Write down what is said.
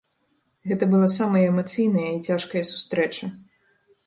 Гэта была самая эмацыйная і цяжкая сустрэча.